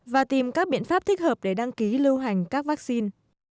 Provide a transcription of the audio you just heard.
và tìm các biện pháp thích hợp để đăng ký lưu hành các vaccine